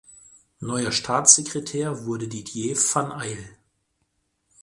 Neuer Staatssekretär wurde Didier van Eyll.